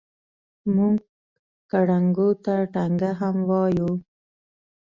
موږ ګړنګو ته ټنګه هم وایو.